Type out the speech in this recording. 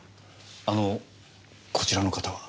あのこちらの方は？